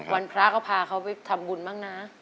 พระพระเขาพาเขาไปทำบุญบ้างนะ